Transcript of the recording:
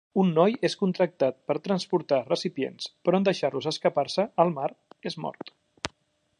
Un noi és contractat per transportar recipients, però en deixar-los escapar-se al mar, és mort.